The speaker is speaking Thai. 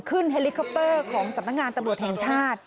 เฮลิคอปเตอร์ของสำนักงานตำรวจแห่งชาติ